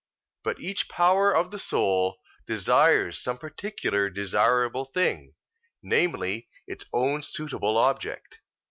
But each power of the soul desires some particular desirable thing namely its own suitable object.